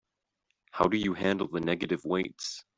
How do you handle the negative weights?